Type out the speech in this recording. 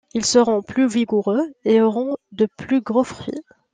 Ils seront plus vigoureux et auront de plus gros fruits.